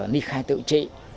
ni khai tự trị